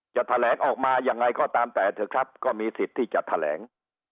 จะแถลงออกมายังไงก็ตามแต่เถอะครับก็มีสิทธิ์ที่จะแถลง